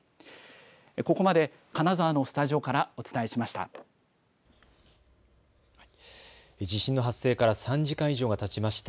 ここまで金沢のスタジオからお伝えしました。